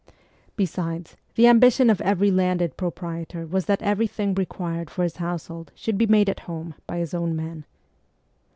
Besides, the ambition of every landed proprietor was that everything required for his household should be made at home by his own men.